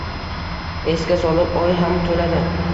Esga solib oy ham to’ladi.